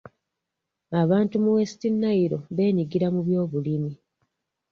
Abantu mu West Nile beenyigira mu byobulimi.